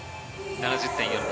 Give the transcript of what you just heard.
７０．４０。